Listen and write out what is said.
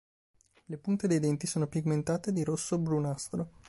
Le punte dei denti sono pigmentate di rosso-brunastro.